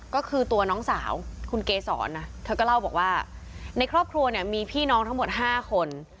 ก็คือตัวน้องสาวคุณเกศรนะเธอก็เล่าบอกว่าในครอบครัวเนี่ยมีพี่น้องทั้งหมด๕คน